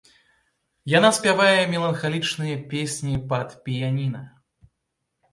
Яна спявае меланхалічныя песні пад піяніна.